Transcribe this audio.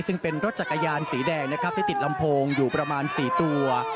ซึ่งเป็นรถจักรยานสีแดงนะครับที่ติดลำโพงอยู่ประมาณ๔ตัว